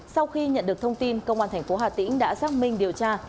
sau khi nhận được thông tin công an tp htn đã giác minh điều tra